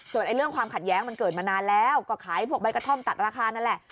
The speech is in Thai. ส่วนเรื่องความขัดแย้งมันเกิดมานานแล้วก็ขายพวกใบกระท่อมตัดราคานั่นแหละ